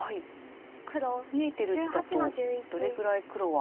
見えてる地だとどれぐらい黒は。